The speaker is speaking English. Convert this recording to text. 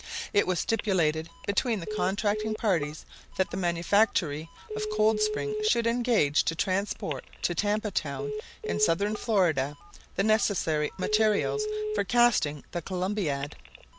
It was stipulated between the contracting parties that the manufactory of Coldspring should engage to transport to Tampa Town, in southern Florida, the necessary materials for casting the Columbiad.